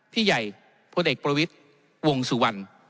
พี่ใหญ่พลเอกประวิทย์วงสุวรรณ